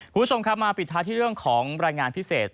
คุณผู้ชมครับมาปิดท้ายที่เรื่องของรายงานพิเศษ